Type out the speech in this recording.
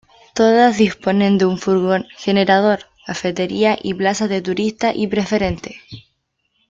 Todas disponen de un furgón generador, cafetería, y plazas de turista y preferente.